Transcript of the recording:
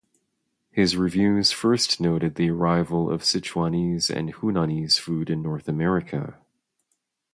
His reviews first noted the arrival of Sichuanese and Hunanese food in North America.